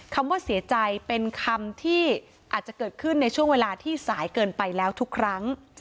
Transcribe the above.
คำว่าเสียใจเป็นคำที่อาจจะเกิดขึ้นในช่วงเวลาที่สายเกินไปแล้วทุกครั้ง